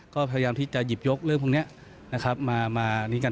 ก็พยายามที่จะหยิบยกเรื่องพวกนี้นะครับมานี้กัน